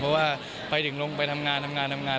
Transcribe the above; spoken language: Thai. เพราะว่าไปถึงลงไปทำงานทำงานทำงาน